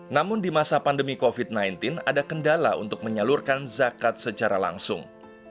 namun di masa pandemi covid sembilan belas ada kendala untuk menyalurkan zakat secara langsung